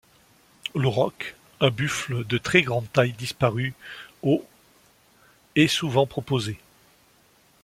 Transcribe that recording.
L'auroch, un buffle de très grande taille disparu au est souvent proposé.